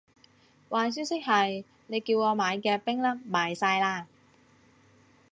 壞消息係，你叫我買嘅冰粒賣晒喇